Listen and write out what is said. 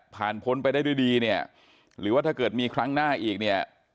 พ้นไปได้ด้วยดีเนี่ยหรือว่าถ้าเกิดมีครั้งหน้าอีกเนี่ย